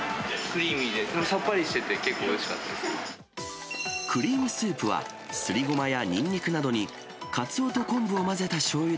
クリーミーで、でもさっぱりクリームスープは、すりごまやニンニクなどにかつおと昆布を混ぜたしょうゆ